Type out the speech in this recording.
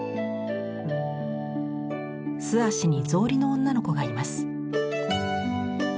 素足に草履の女の子がいます。